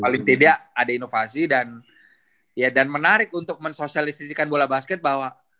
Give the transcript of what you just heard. paling tidak ada inovasi dan ya dan menarik untuk mensosialisirkan bola basket bahwa